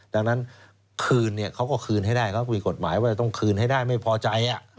ดังนั้นคืนเขาก็คืนให้ได้เขาก็มีกฎหมายว่าจะต้องคืนให้ได้ไม่พอใจ